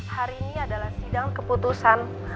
hari ini adalah sidang keputusan